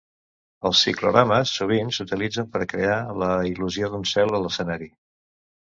Els ciclorames sovint s'utilitzen per crear la il·lusió d'un cel a l'escenari.